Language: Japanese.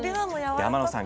天野さん